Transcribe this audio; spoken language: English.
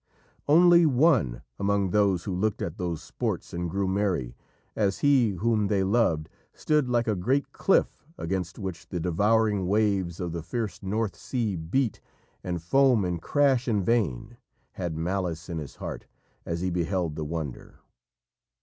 Only one among those who looked at those sports and grew merry, as he whom they loved stood like a great cliff against which the devouring waves of the fierce North Sea beat and foam and crash in vain, had malice in his heart as he beheld the wonder.